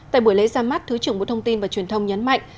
tại buổi lễ ra mắt thứ trưởng bộ thông tin và truyền thông nhấn mạnh